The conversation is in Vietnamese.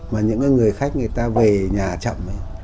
mà những người khách người ta về nhà chậm